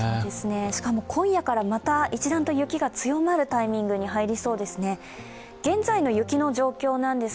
しかも今夜からまた一段と雪が強まるタイミングに入りそうです。